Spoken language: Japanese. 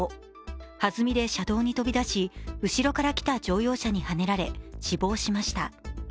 はずみで車道に飛び出し、後ろから来た乗用車にはねられ死亡しました。